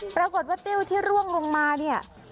ปรากฏว่าติ้วที่ร่วงลงมาเนี่ย